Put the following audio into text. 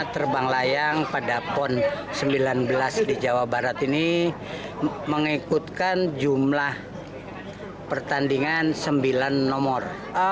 terbang layang pada pon sembilan belas di jawa barat ini mengikutkan jumlah pertandingan sembilan nomor